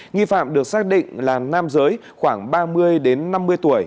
nghi phạm được xác định là nam giới khoảng ba mươi đến năm mươi tuổi